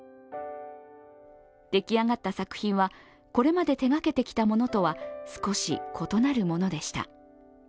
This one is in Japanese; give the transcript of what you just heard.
出来上がった作品は、これまで手がけてきたものとは少し異なるものでした。